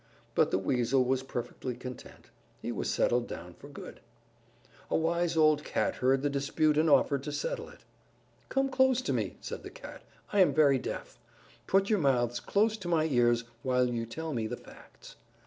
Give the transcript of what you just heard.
But the Weasel was perfectly content. He was settled down for good. A wise old Cat heard the dispute and offered to settle it. "Come close to me," said the Cat, "I am very deaf. Put your mouths close to my ears while you tell me the facts."